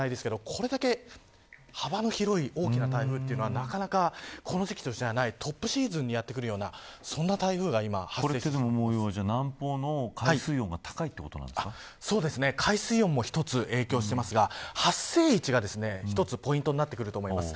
これだけ幅の広い大きな台風というのは、なかなかこの時期としてはないトップシーズンにやってくるようなそんな台風が南方の海水温が高い海水温も一つ影響していますが発生位置が一つポイントになってくると思います。